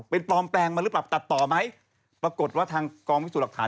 เป็นปลอมแปลงมาหรือเปล่าตัดต่อไหมปรากฏว่าทางกองพิสูจน์หลักฐาน